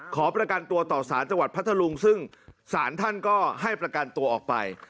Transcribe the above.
ขอประกันตัวต่อสารจังหวัดพัทธลุงซึ่งศาลท่านก็ให้ประกันตัวออกไป